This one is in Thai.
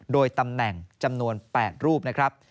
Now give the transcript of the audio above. โดยตำแหน่งจำนวน๘รูปนะครับ